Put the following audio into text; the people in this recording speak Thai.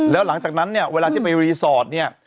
แล้วหลังจากนั้นเนี่ยเวลาที่ไปรีสอร์ทเนี่ย